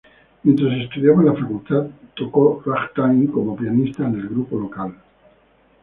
Mientras estudiaba en la facultad, tocó ragtime como pianista en el grupo local.